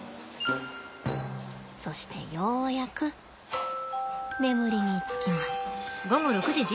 そしてようやく眠りにつきます。